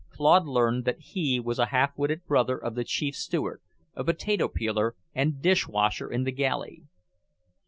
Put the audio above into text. Claude learned that he was a half witted brother of the Chief Steward, a potato peeler and dish washer in the galley.